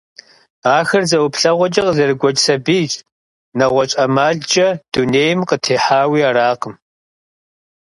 Ахэр зэ ӀуплъэгъуэкӀэ къызэрыгуэкӀ сабийщ, нэгъуэщӀ ӀэмалкӀэ дунейм къытехьауи аракъым.